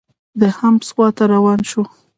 د حمص خوا ته روان شو.